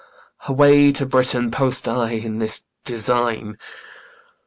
Away to Britain Post I in this design.